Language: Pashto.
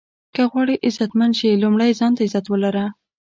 که غواړئ عزتمند شې لومړی ځان ته عزت ولره.